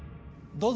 どうぞ。